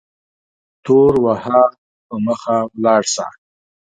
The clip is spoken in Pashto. تور وهه په مخه ولاړ سه